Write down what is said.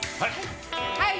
はい！